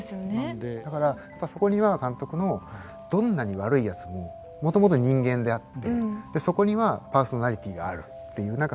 だからやっぱそこには監督のどんなに悪いやつももともと人間であってでそこにはパーソナリティーがあるっていう何かその。